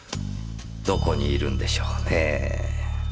どこにいるんでしょうねぇ。